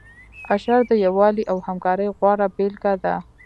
اشر د یووالي او همکارۍ غوره بیلګه ده.